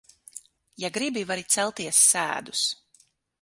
Ja gribi, vari celties sēdus.